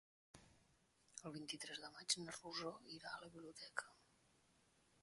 El vint-i-tres de maig na Rosó irà a la biblioteca.